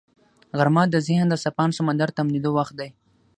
غرمه د ذهن د څپاند سمندر تمېدو وخت دی